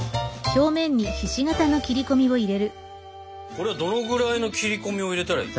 これどのぐらいの切り込みを入れたらいい？